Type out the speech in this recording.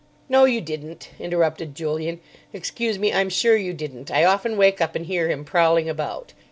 "No, you didn't," interrupted Julian. "Excuse me, I'm sure you didn't. I often wake up and hear him prowling about."